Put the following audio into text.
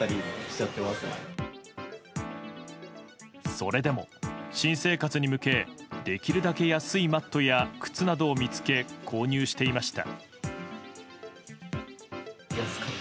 それでも新生活に向けできるだけ安いマットや靴などを見つけ購入していました。